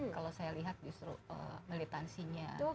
kalau saya lihat justru militansinya